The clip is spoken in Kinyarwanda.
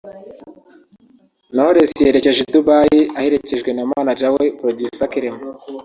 Knowless yerekeje i Dubai aherekejwe na Manager we Producer Clement